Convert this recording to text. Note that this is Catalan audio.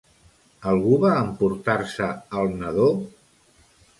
Algú va emportar-se el nadó?